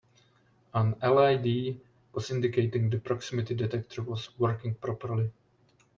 An LED was indicating the proximity detector was working properly.